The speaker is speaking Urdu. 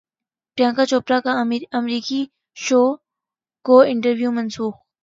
پریانکا چوپڑا کا امریکی شو کوائنٹیکو منسوخ